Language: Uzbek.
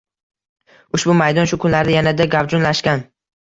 Ushbu maydon shu kunlarda yanada gavjumlashgan